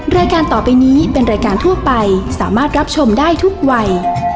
รายการต่อไปนี้เป็นรายการทั่วไปสามารถรับชมได้ทุกวัย